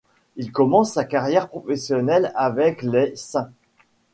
Il commence sa carrière professionnelle avec les St.